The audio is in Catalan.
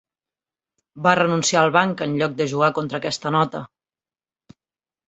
Va renunciar al banc en lloc de jugar contra aquesta nota.